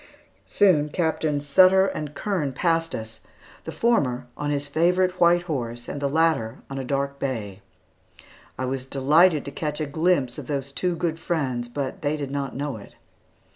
Soon Captains Sutter and Kern passed us, the former on his favorite white horse, and the latter on a dark bay. I was delighted to catch a glimpse of those two good friends, but they did not know it.